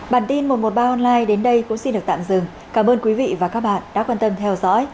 bản tin một trăm một mươi ba online đến đây cũng xin được tạm dừng cảm ơn quý vị và các bạn đã quan tâm theo dõi